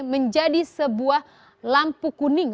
menjadi sebuah lampu kuning